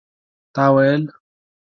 تا ويل